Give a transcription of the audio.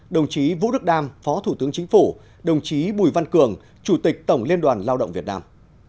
đồng chí vũ đức đam phó thủ tướng chính phủ đồng chí bùi văn cường chủ tịch tổng liên đoàn lao động việt nam